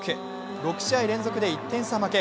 ６試合連続で１点差負け。